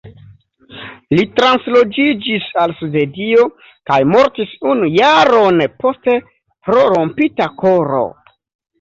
Li transloĝiĝis al Svedio kaj mortis unu jaron poste pro "rompita koro".